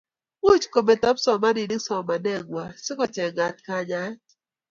much kometo kipsomaninik somanet nguay sikochengat kanyaet